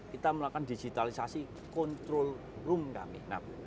kita melakukan digitalisasi control room kami